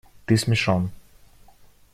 Ты смешон.